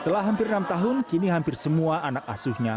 setelah hampir enam tahun kini hampir semua anak asuhnya